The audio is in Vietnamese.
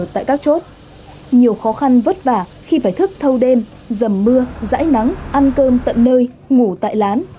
tại các chốt nhiều khó khăn vất vả khi phải thức thâu đêm dầm mưa rãi nắng ăn cơm tận nơi ngủ tại lán